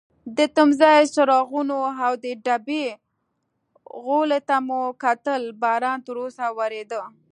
د تمځای څراغونو او د ډبې غولي ته مو کتل، باران تراوسه وریده.